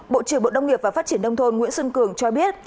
bộ trưởng bộ đông nghiệp và phát triển đông thôn nguyễn xuân cường cho biết